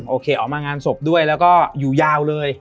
โอเคออกมางานศพด้วยแล้วก็อยู่ยาวเลย